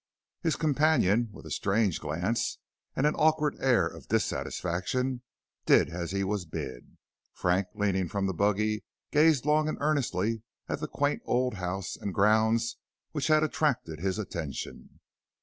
His companion, with a strange glance and an awkward air of dissatisfaction, did as he was bid, and Frank leaning from the buggy gazed long and earnestly at the quaint old house and grounds which had attracted his attention.